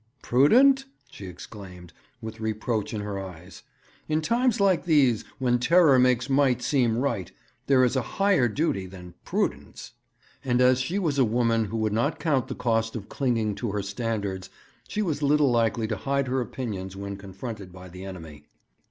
'Prudent?' she exclaimed, with reproach in her eyes. 'In times like these, when terror makes might seem right, there is a higher duty than prudence.' And as she was a woman who would not count the cost of clinging to her standards, she was little likely to hide her opinions when confronted by the enemy.